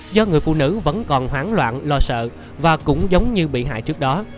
do người phụ nữ vẫn còn hoảng loạn lo sợ và cũng giống như bị hại trước đó